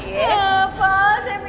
ya pak kim